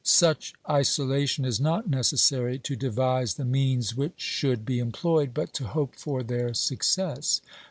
Such isolation is not necessary to devise the means which should be employed, but to hope for their success.